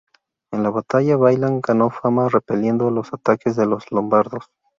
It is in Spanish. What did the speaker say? En la batalla, Balián ganó fama repeliendo los ataques de los Lombardos.